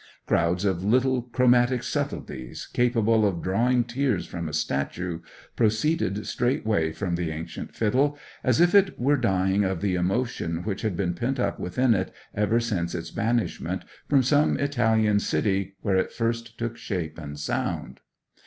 Crowds of little chromatic subtleties, capable of drawing tears from a statue, proceeded straightway from the ancient fiddle, as if it were dying of the emotion which had been pent up within it ever since its banishment from some Italian city where it first took shape and sound.